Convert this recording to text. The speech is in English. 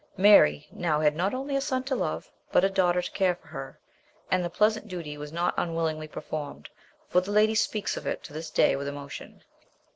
Mary now had not only a son to love, but a daughter to care for her, and the pleasant duty was not unwillingly performed, for the lady speaks of her to this day with emotion.